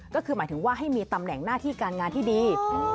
ก็คือหมายถึงว่าให้มีตำแหน่งหน้าที่การงานที่ดี